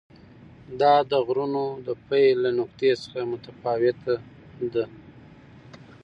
دا د غرونو د پیل له نقطې څخه متفاوته ده.